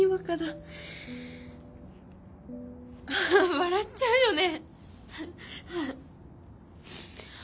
笑っちゃうよね！